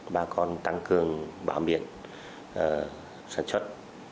bà con tăng cường bảo biển sản xuất